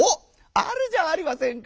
あるじゃありませんか。